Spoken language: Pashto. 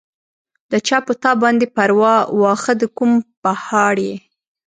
د چا پۀ تا باندې پرواه، واښۀ د کوم پهاړ ئې